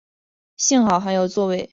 幸好还有座位